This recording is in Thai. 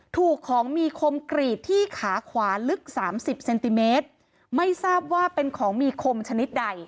ถูกของมีคมกรีดที่ขาขวาลึกสามสิบเซนติเมตรไม่ทราบว่าเป็นของมีคมชนิดใด